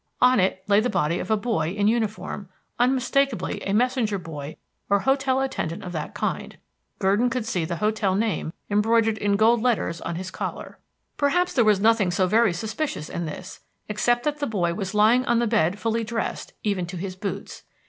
On it lay the body of a boy in uniform, unmistakably a messenger boy or hotel attendant of that kind. Gurdon could see the hotel name embroidered in gold letters on his collar. Perhaps there was nothing so very suspicious in this, except that the boy was lying on the bed fully dressed, even to his boots.